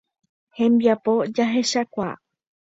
Hembiapo jehechechakuaa.